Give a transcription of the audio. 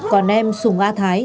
còn em sùng a thái